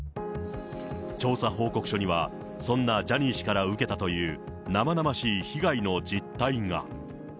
調査報告書には、そんなジャニー氏から受けたというなまなましい被害の実態が。